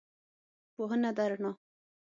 پوهنه ده رڼا